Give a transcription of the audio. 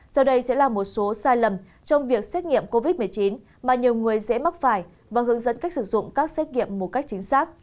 sau đây sẽ là một số sai lầm trong việc xét nghiệm covid một mươi chín mà nhiều người dễ mắc phải và hướng dẫn cách sử dụng các xét nghiệm một cách chính xác